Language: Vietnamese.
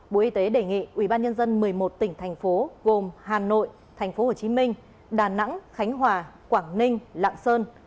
bộ y tế đề nghị ubnd một mươi một tỉnh thành phố gồm hà nội tp hcm đà nẵng khánh hòa quảng ninh lạng sơn